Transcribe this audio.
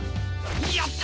やった！